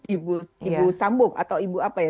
ibu sambuk atau ibu apa ya